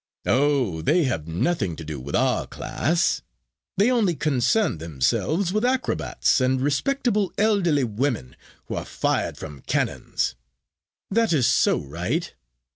"Oh, they have nothing to do with our class. They only concern themselves with acrobats, and respectable elderly women who are fired from cannons. That is so right.